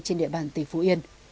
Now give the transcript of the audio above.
trên địa bàn tỉnh phú yên